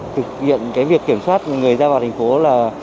thực hiện cái việc kiểm soát người ra vào thành phố là